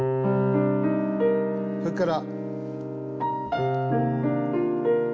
それから。